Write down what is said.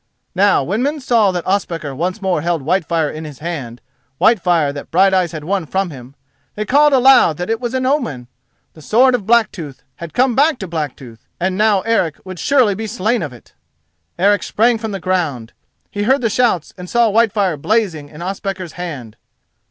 Now when men saw that Ospakar once more held Whitefire in his hand—Whitefire that Brighteyes had won from him—they called aloud that it was an omen. The sword of Blacktooth had come back to Blacktooth and now Eric would surely be slain of it! Eric sprang from the ground. He heard the shouts and saw Whitefire blazing in Ospakar's hand.